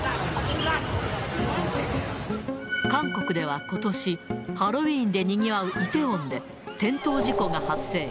韓国ではことし、ハロウィーンでにぎわうイテウォンで、転倒事故が発生。